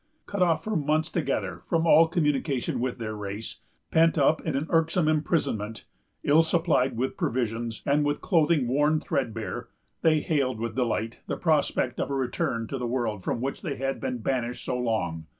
Cut off for months together from all communication with their race; pent up in an irksome imprisonment; ill supplied with provisions, and with clothing worn threadbare, they hailed with delight the prospect of a return to the world from which they had been banished so long.